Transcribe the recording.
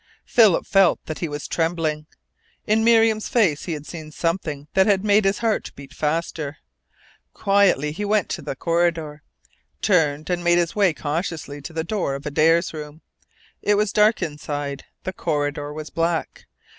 Philip felt that he was trembling. In Miriam's face he had seen something that had made his heart beat faster. Quietly he went to the corridor, turned, and made his way cautiously to the door of Adare's room. It was dark inside, the corridor was black.